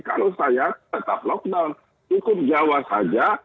kalau saya tetap lockdown cukup jawa saja